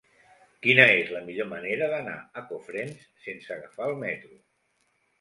Quina és la millor manera d'anar a Cofrents sense agafar el metro?